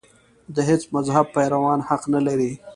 د هېڅ مذهب پیروان حق نه لري.